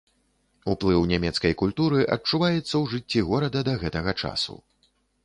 Уплыў нямецкай культуры адчуваецца ў жыцці горада да гэтага часу.